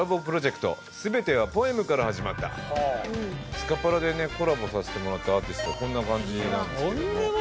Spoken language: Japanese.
スカパラでねコラボさせてもらったアーティストこんな感じなんですけども。